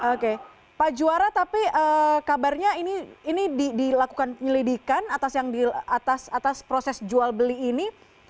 oke pak juara tapi kabarnya ini dilakukan penyelidikan atas proses jual beli ini